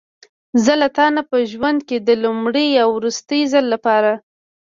زه له تا نه په ژوند کې د لومړي او وروستي ځل لپاره.